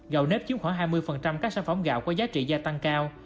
gạo nếp chiếm khoảng hai mươi các sản phẩm gạo có giá trị gia tăng cao